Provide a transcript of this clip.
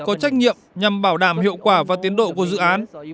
có trách nhiệm nhằm bảo đảm hiệu quả và tiến độ của dự án